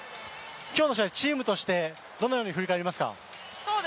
今日の試合、チームとしてどのように振り返りますか？